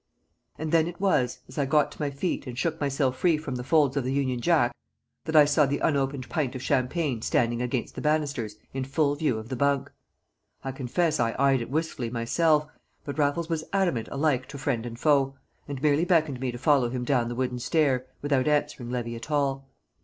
And then it was, as I got to my feet, and shook myself free from the folds of the Union Jack, that I saw the unopened pint of champagne standing against the banisters in full view of the bunk. I confess I eyed it wistfully myself; but Raffles was adamant alike to friend and foe, and merely beckoned me to follow him down the wooden stair, without answering Levy at all.